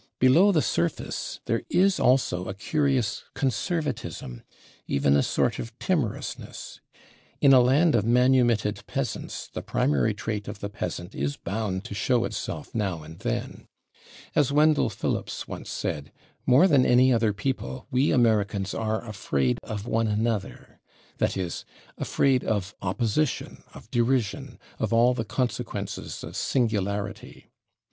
Below the surface there is also a curious conservatism, even a sort of timorousness; in a land of manumitted peasants the primary trait of the peasant is bound to show itself now and then; as Wendell Phillips once said, "more than any other people, we Americans are afraid of one another" that is, afraid of opposition, of derision, of all the consequences of singularity.